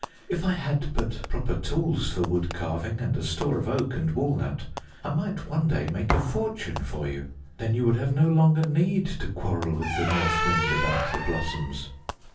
If I had but proper tools for wood carving and a store of oak and walnut, I might one day make a fortune for you. Then you would have no longer need to quarrel with the North Wind about the blossoms."